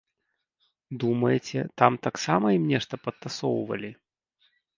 Думаеце, там таксама ім нешта падтасоўвалі?